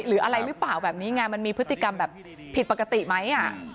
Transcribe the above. หรืออะไรหรือเปล่าแบบนี้ไงมันมีพฤติกรรมแบบผิดปกติไหม